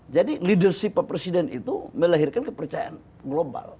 jadi leadership pak presiden itu melahirkan kepercayaan global